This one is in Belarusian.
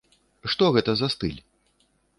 Што гэта за стыль?